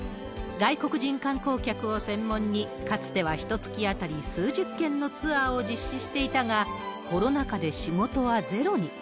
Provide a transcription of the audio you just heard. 外国人観光客を専門に、かつてはひとつき当たり数十件のツアーを実施していたが、コロナ禍で仕事はゼロに。